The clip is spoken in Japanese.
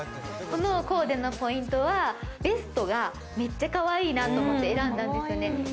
このコーデのポイントは、ベストがめっちゃかわいいなと思って選んだんですね。